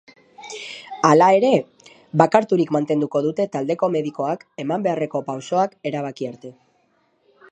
Hala ere, bakarturik mantenduko dute taldeko medikoak eman beharreko pausoak erabaki arte.